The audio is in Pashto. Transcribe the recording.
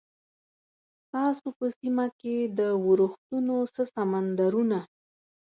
ستاسو په سیمه کې د ورښتونو څه سمندرونه؟